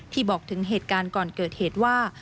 บอกถึงเหตุการณ์ก่อนเกิดเหตุว่า